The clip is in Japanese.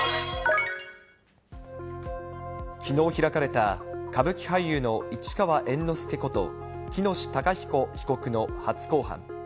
きのう開かれた、歌舞伎俳優の市川猿之助こと喜熨斗孝彦被告の初公判。